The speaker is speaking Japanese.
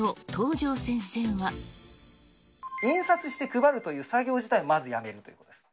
印刷して配るという作業自体、まずやめるということです。